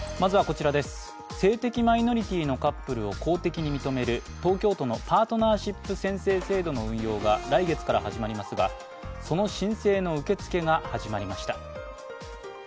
性的マイノリティーのカップルを公的に認める東京都のパートナーシップ宣誓制度の運用が来月から始まりますがその申請の受け付けが始まりました。